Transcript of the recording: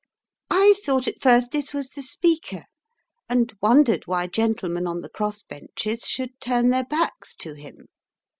I thought at first this was the Speaker, and wondered why gentlemen on the cross benches should turn their backs to him.